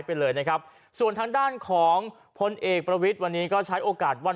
ไปเลยนะครับส่วนทางด้านของพลเอกประวิทย์วันนี้ก็ใช้โอกาสวัน